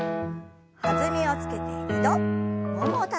弾みをつけて２度ももをたたいて。